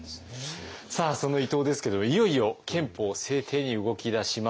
さあその伊藤ですけどもいよいよ憲法制定に動き出します。